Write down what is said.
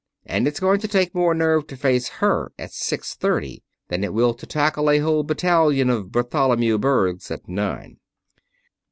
And it's going to take more nerve to face her at six thirty than it will to tackle a whole battalion of Bartholomew Bergs at nine."